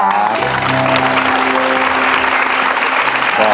สวัสดีครับ